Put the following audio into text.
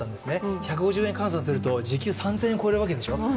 １５０円換算すると時給３０００円を超えるわけでしょ。